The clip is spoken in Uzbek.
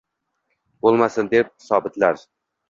Bo’lmasin der sobitlar.